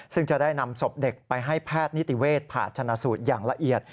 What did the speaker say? ซึ่งจะได้นำศพเด็กไปให้แพทย์นิติเวชผ่าชนะสูตรอย่างละเอียด